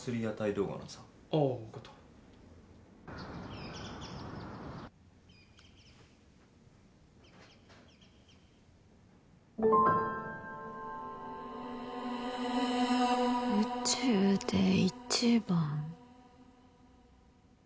動画のさあぁ分かった「宇宙で一番」